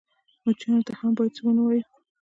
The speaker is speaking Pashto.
_مچانو ته هم بايد څه ونه وايو.